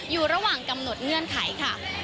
อยู่ระหว่างกำหนดเงื่อนไขค่ะ